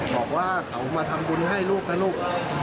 บอกว่าเขามาทำบุญให้ลูกนะลูก